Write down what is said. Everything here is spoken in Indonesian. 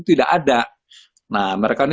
tidak ada nah mereka ini